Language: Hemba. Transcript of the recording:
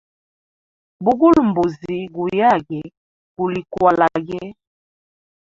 Bugula mbuzi guyage, gulikwalage.